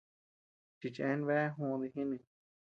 Chichen bea juú dijinuy.